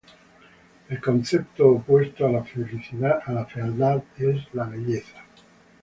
El concepto opuesto a la fealdad es la belleza.